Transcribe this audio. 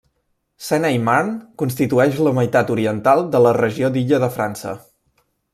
Sena i Marne constitueix la meitat oriental de la regió d'Illa de França.